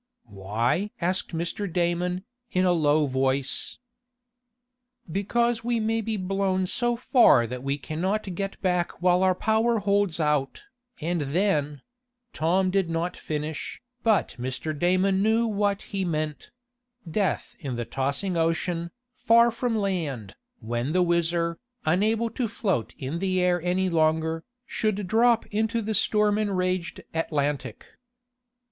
"Why?" asked Mr. Damon, in a low voice. "Because we may be blown so far that we can not get back while our power holds out, and then " Tom did not finish, but Mr. Damon knew what he meant death in the tossing ocean, far from land, when the WHIZZER, unable to float in the air any longer, should drop into the storm enraged Atlantic.